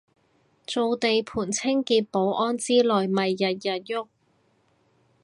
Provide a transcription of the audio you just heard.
做地盤清潔保安之類咪日日郁